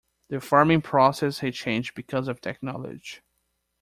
The farming process has changed because of technology.